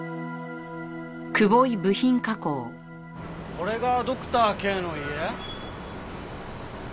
これがドクターＫの家？